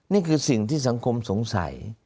นี่คือสิ่งที่สังคมสงสัย